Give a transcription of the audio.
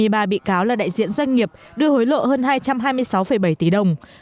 ba mươi ba bị cáo là đại diện doanh nghiệp đưa hối lộ hơn hai trăm hai mươi sáu bảy tỷ đồng